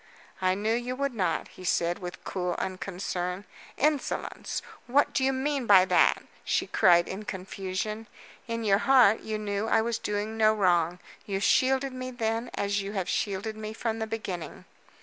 "I knew you would not," he said, with cool unconcern. "Insolence! What do you mean by that?" she cried in confusion. "In your heart you knew I was doing no wrong. You shielded me then as you have shielded me from the beginning."